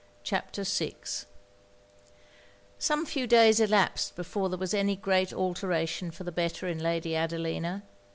] CHAPTER VI Some few days elapsed before there was any great alteration for the better in Lady Adelina.